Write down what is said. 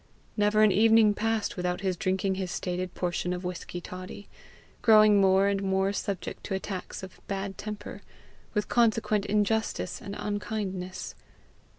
Never an evening passed without his drinking his stated portion of whisky toddy, growing more and more subject to attacks of had temper, with consequent injustice and unkindness.